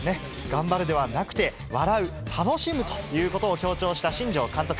頑張るではなくて、笑う、楽しむということを強調した新庄監督。